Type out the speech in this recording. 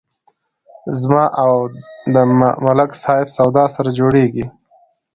زما او د ملک صاحب سودا سره جوړیږي.